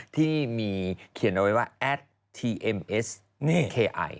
ที่มีเขียนเอาไว้ว่าแอดทีเอ็มเอสเน่เคไอ